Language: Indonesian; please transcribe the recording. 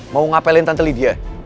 mau ngapelin tante lydia